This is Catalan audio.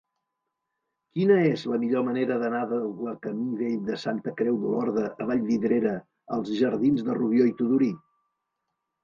Quina és la millor manera d'anar de la camí Vell de Santa Creu d'Olorda a Vallvidrera als jardins de Rubió i Tudurí?